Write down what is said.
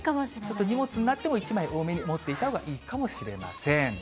ちょっと荷物になっても１枚多めに持っていったほうがいいかもしれません。